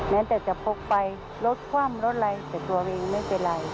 แม้แต่จะพกไปรถคว่ำรถอะไรแต่ตัวเองไม่เป็นไร